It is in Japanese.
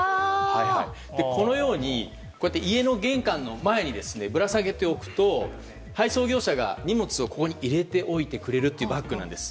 このように家の玄関の前にぶら下げておくと、配送業者が荷物をここに入れておいてくれるバッグなんです。